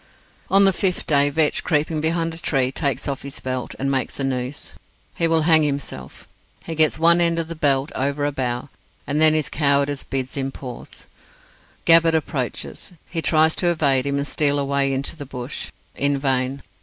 On the fifth day, Vetch, creeping behind a tree, takes off his belt, and makes a noose. He will hang himself. He gets one end of the belt over a bough, and then his cowardice bids him pause. Gabbett approaches; he tries to evade him, and steal away into the bush. In vain.